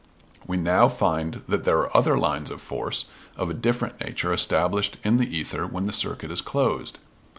We now find that there are other lines of force of a different nature established in the ether when the circuit is closed.